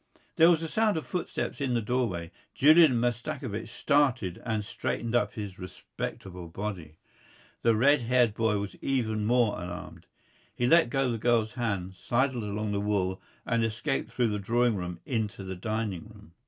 There was a sound of footsteps in the doorway. Julian Mastakovich started and straightened up his respectable body. The red haired boy was even more alarmed. He let go the girl's hand, sidled along the wall, and escaped through the drawing room into the dining room.